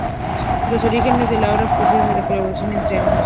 Los orígenes de la obra proceden de la colaboración entre ambos.